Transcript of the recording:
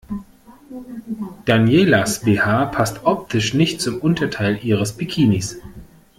Danielas BH passt optisch nicht zum Unterteil ihres Bikinis.